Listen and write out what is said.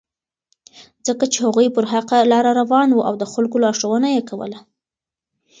ځکه چې هغوی پر حقه لاره روان وو او د خلکو لارښوونه یې کوله.